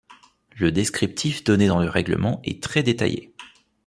Le descriptif donné dans le règlement est très détaillé.